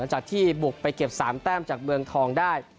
จากที่บุกไปเก็บ๓แต้มจากเมืองทองได้